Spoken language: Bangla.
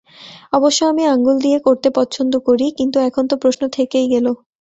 অবশ্য আমি আংগুল দিয়ে করতে পছন্দ করি, কিন্তু এখন তো প্রশ্ন থেকেই গেলো।